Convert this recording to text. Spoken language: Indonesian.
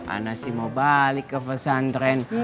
anas sih mau balik ke pesantren